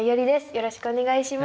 よろしくお願いします。